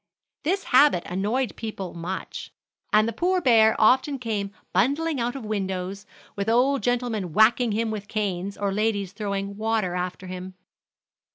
This habit annoyed people much, and the poor bear often came bundling out of windows, with old gentlemen whacking him with canes, or ladies throwing water after him.